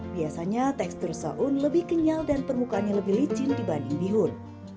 biasanya tekstur soun lebih kenyal dan permukaannya lebih licin dibanding bihun